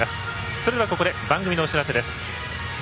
それでは、ここで番組のお知らせです。